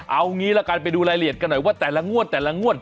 เอางี้ละกันไปดูรายละเอียดกันหน่อยว่าแต่ละงวดแต่ละงวด